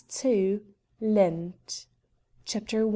LENT. CHAPTER I.